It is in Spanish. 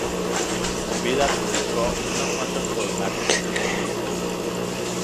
En vida publicó unos cuantos poemarios, muy breves.